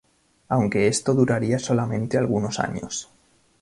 Aunque esto duraría solamente algunos años.